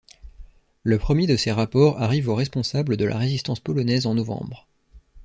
Le premier de ces rapports arrive aux responsables de la résistance polonaise en novembre.